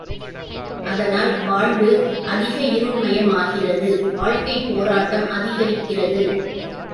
அதனால் வாழ்வு அதிக இருள்மயமாகிறது வாழ்க்கைப் போராட்டம் அதிகரிக்கிறது.